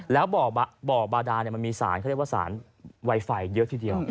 แล้วบ่อบาดามันมีสารเขาเรียกว่าสารไวไฟเยอะทีเดียว